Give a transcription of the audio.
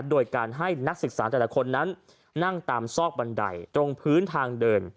โดยการให้นักศึกษาแต่ละคนนั้นนั่งตามซอกบันไดตรงพื้นทางเดิน